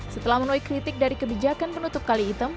setelah menunai kritik dari kebijakan menutup kali item